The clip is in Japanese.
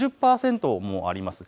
６０％もあります。